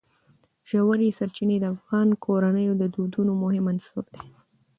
ژورې سرچینې د افغان کورنیو د دودونو مهم عنصر دی.